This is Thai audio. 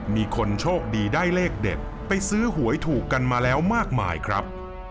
มีคนโชคดีได้เลขเด็ดไปซื้อหวยถูกกันมาแล้วมากมายครับ